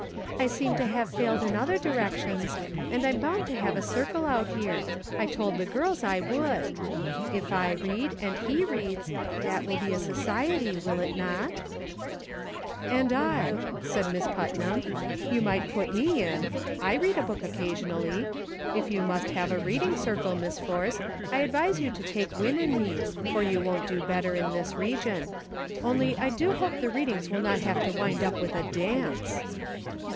" I seem to have failed in other direc tions, and I'm bound to have a circle out here ; I told the girls I would. If I read, and he reads, that will be a ' society,' will it not ?" "And I," said Miss Putnam; "you might put me in ; I read a book occasionally. If you must have a reading circle, Miss Force, I advise you to take Win and me, for you won't do better in this region ; only I do hope the readings will not have to wind up with a dance